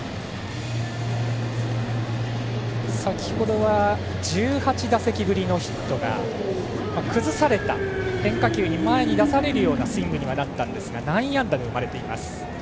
先程は１８打席ぶりのヒットが崩された変化球に前に出されるようなスイングにはなったんですが内野安打が生まれています。